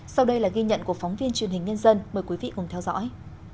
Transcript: sau đây là ghi nhận của phóng viên truyền hình nhân dân mời quý vị cùng theo dõi